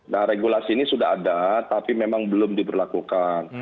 nah regulasi ini sudah ada tapi memang belum diberlakukan